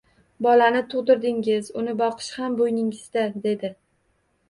Bolani tug`dirdingiz, uni boqish ham bo`yningizda, dedi